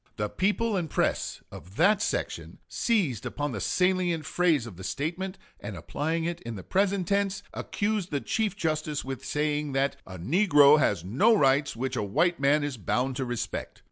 The people and press of that section seized upon the salient phrase of the statement, and applying it in the present tense, accused the Chief Justice with saying that "a negro has no rights which a white man is bound to respect."